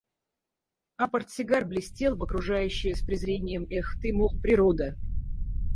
А портсигар блестел в окружающее с презрением: – Эх, ты, мол, природа!